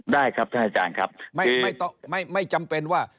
ได้ครับท่านอาจารย์ครับไม่จำเป็นว่า